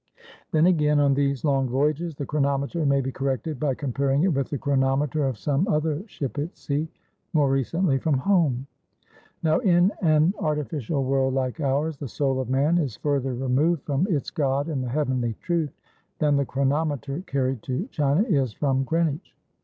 Then again, on these long voyages, the chronometer may be corrected by comparing it with the chronometer of some other ship at sea, more recently from home. "Now in an artificial world like ours, the soul of man is further removed from its God and the Heavenly Truth, than the chronometer carried to China, is from Greenwich.